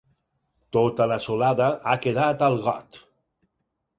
Tota la solada ha quedat al got.